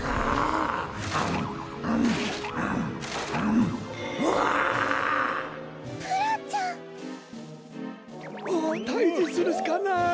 もうたいじするしかない！